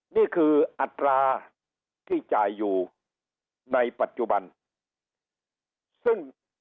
นี่คืออัตราที่จ่ายอยู่ในปัจจุบันซึ่ง